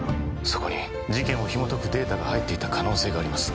そこに事件をひもとくデータが入っていた可能性があります